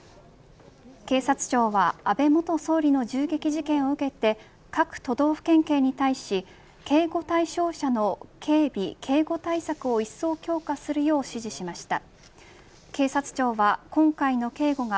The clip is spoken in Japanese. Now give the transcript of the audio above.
警察庁は安倍元総理の銃撃事件を受けて各都道府県警に対し警護対象者の警備、警護対策をいっそう強化するよう指示しました。